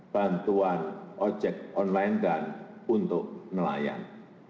bantuan ojek online dan untuk nelayan